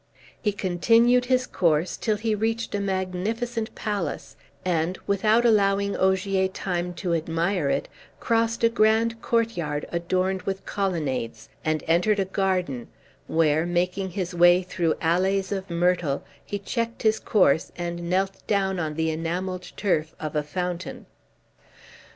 He continued his course till he reached a magnificent palace, and, without allowing Ogier time to admire it, crossed a grand court yard adorned with colonnades, and entered a garden, where, making his way through alleys of myrtle, he checked his course, and knelt down on the enamelled turf of a fountain.